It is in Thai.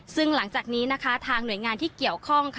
ซึ่งหลังจากนี้นะคะทางหน่วยงานที่เกี่ยวข้อง